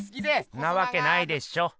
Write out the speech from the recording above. んなわけないでしょ！